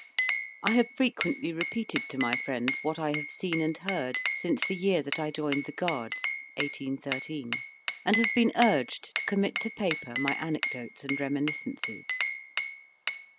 I have frequently repeated to my friends what I have seen and heard since the year that I joined the Guards (1813), and have been urged to commit to paper my anecdotes and reminiscences.